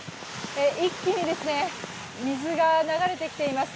一気に水が流れてきています。